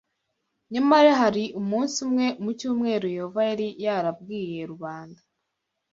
Nyamara hari umunsi umwe mu cyumweru Yehova yari yarabwiye rubanda